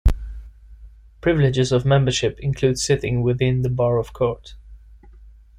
Privileges of membership include sitting within the Bar of court.